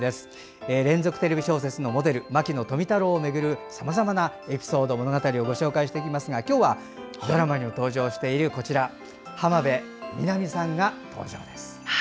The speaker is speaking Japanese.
連続テレビ小説のモデル牧野富太郎をめぐるさまざまなエピソードをご紹介していますが今日はドラマにも登場している浜辺美波さんが登場です。